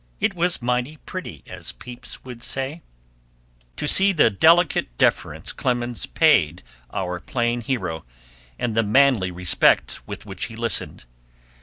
It was mighty pretty, as Pepys would say, to see the delicate deference Clemens paid our plain hero, and the manly respect with which he listened.